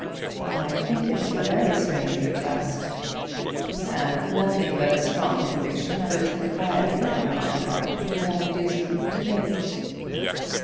"I think it a very strange request." "And nothing but a strong conviction of its propriety on my part would have induced me to make it."